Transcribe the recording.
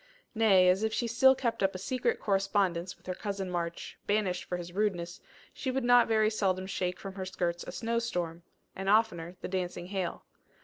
Nay, as if she still kept up a secret correspondence with her cousin March, banished for his rudeness, she would not very seldom shake from her skirts a snow storm, and oftener the dancing hail.